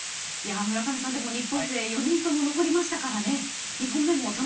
村上さん日本勢４人とも残りましたからね